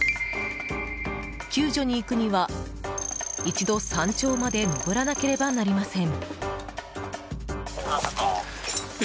救助に行くには一度、山頂まで登らなければなりません。